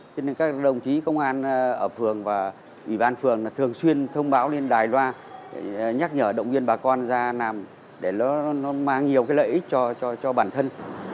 các đồng chí công an ở phường và ủy ban phường thường xuyên thông báo lên đài loa nhắc nhở động viên bà con ra làm để nó mang nhiều lợi ích cho bản thân